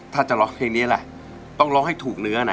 ถ้าจะร้องเพลงนี้แหละต้องร้องให้ถูกเนื้อนะ